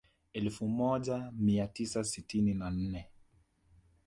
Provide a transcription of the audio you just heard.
Elfu moja mia tisa sitini na nne